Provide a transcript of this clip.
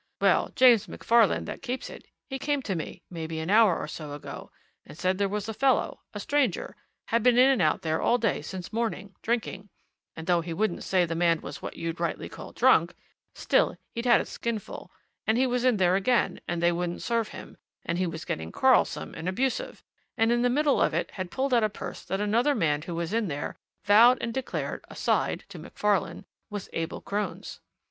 Well, James Macfarlane, that keeps it, he came to me, maybe an hour or so ago, and said there was a fellow, a stranger, had been in and out there all day since morning, drinking; and though he wouldn't say the man was what you'd rightly call drunk, still he'd had a skinful, and he was in there again, and they wouldn't serve him, and he was getting quarrelsome and abusive, and in the middle of it had pulled out a purse that another man who was in there vowed and declared, aside, to Macfarlane, was Abel Crone's.